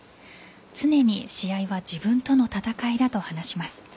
常に試合は自分との戦いだと話します。